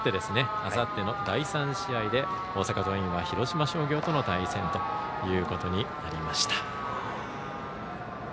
あさっての第３試合で大阪桐蔭は広島商業との対戦ということになりました。